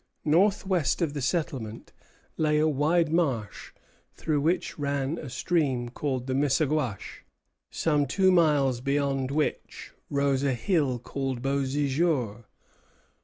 Northwest of the settlement lay a wide marsh, through which ran a stream called the Missaguash, some two miles beyond which rose a hill called Beauséjour.